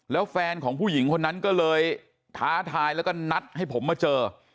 แล้วแฟนของผู้หญิงคนนั้นก็เลยท้าทายแล้วก็นัดให้ผมมาเจอ